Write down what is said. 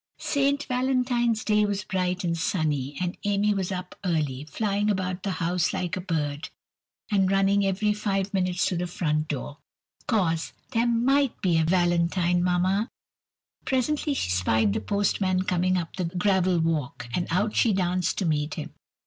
Saint Valentine's Day was bright and sunny, and Amy was up early, flying about the house like a bird, and running every five minutes to the front door "'Cause there might be a valentine, Mamma!" Presently she spied the postman coming up the gravel walk, and out she danced to meet him.